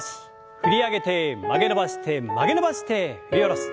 振り上げて曲げ伸ばして曲げ伸ばして振り下ろす。